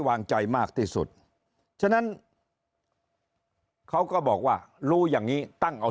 วางใจมากที่สุดฉะนั้นเขาก็บอกว่ารู้อย่างนี้ตั้งเอา